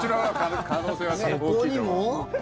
そこにも？